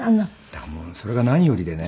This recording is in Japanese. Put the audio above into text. だからもうそれが何よりでね。